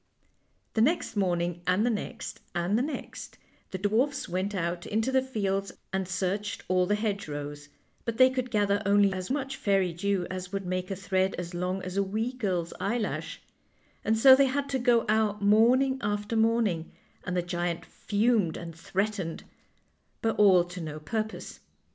The next morning, and the next, and the next, the dwarfs went out into the fields and searched all the hedgerows, but they could gather only as much fairy dew as would make a thread as long as a wee girl's eyelash ; and so they had to go out morning after morning, and the giant fumed and threatened, but all to no purpose.